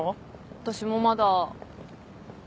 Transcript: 私もまだ。